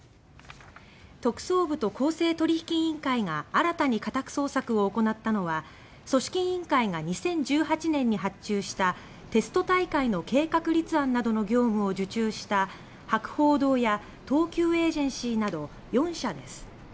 特捜部と公正取引委員会が新たに家宅捜索を行ったのは組織委員会が２０１８年に発注したテスト大会の計画立案などの業務を受注した博報堂や東急エージェンシーなど４社です。